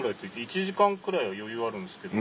１時間くらいは余裕あるんですけど。